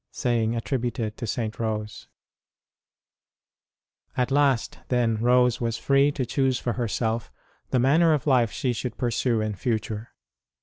(Saying attributed to St. Rose.} |jT last, then, Rose was free to choose for herself the manner of life she should pursue in future.